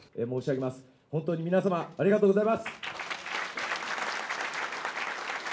本当に皆様、ありがとうございます。